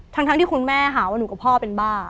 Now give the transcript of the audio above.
ทั้งที่คุณแม่หาว่าหนูกับพ่อเป็นบ้า